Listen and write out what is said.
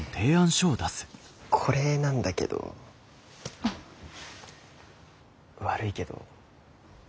これなんだけど悪いけど。